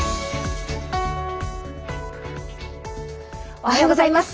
おはようございます。